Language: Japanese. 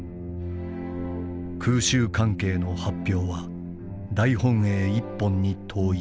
空襲関係の発表は大本営一本に統一する」。